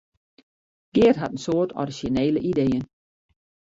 Geart hat in soad orizjinele ideeën.